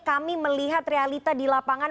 kami melihat realita di lapangan